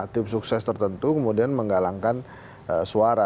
tim sukses tertentu kemudian menggalangkan suara